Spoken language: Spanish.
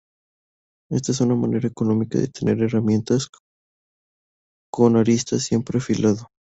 Esta es una manera económica de tener las herramientas con aristas siempre afilado.